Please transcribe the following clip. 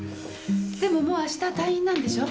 でももう明日退院なんでしょ？